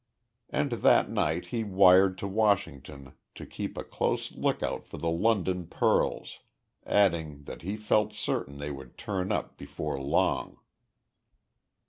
And that night he wired to Washington to keep a close lookout for the London pearls, adding that he felt certain they would turn up before long.